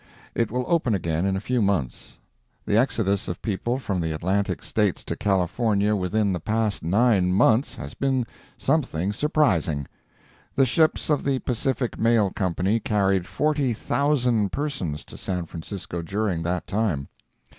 It will open again in a few months. The exodus of people from the Atlantic States to California within the past nine months, has been something surprising. The ships of the Pacific Mail Company carried 40,000 persons to San Francisco during that time.